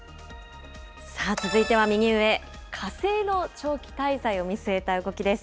続いては右上、火星の長期滞在を見据えた動きです。